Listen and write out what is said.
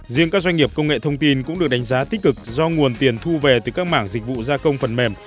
riêng các doanh nghiệp công nghệ thông tin cũng được đánh giá tích cực do nguồn tiền thu về từ các mảng dịch vụ gia công phần mềm